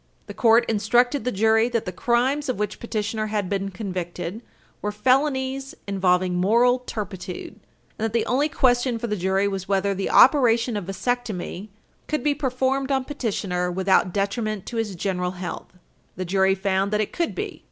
The court instructed the jury that the crimes of which petitioner had been convicted were felonies involving moral turpitude, and that the only question for the jury was whether the operation of vasectomy could be performed on petitioner without detriment to his general health. The jury found that it could be.